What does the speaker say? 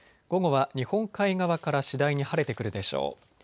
午後は日本海側から次第に晴れてくるでしょう。